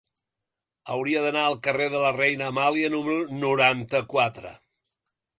Hauria d'anar al carrer de la Reina Amàlia número noranta-quatre.